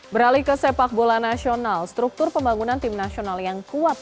beralih ke sepak bola nasional struktur pembangunan tim nasional yang kuat